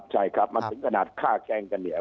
ใช่ครับมันถึงขนาดฆ่าแกล้งกันเนี่ย